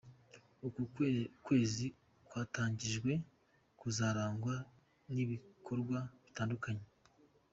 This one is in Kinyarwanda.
Uku kwezi kwatangijwe kuzarangwa n’ibikorwa bitandukanye.